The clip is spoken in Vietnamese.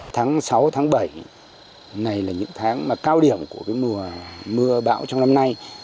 tháng sáu tháng bảy này là những tháng mà cao điểm của mùa mưa bão trong năm nay